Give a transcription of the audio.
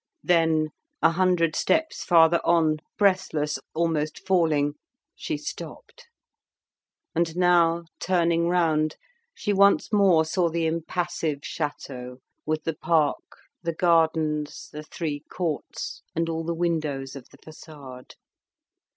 Then a hundred steps farther on, breathless, almost falling, she stopped. And now turning round, she once more saw the impassive château, with the park, the gardens, the three courts, and all the windows of the facade.